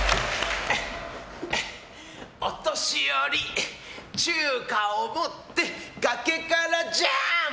お年寄り、中華を持って崖からジャーンプ！